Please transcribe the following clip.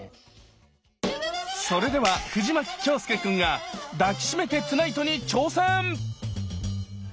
それでは藤牧京介くんが「抱きしめてＴＯＮＩＧＨＴ」に挑戦！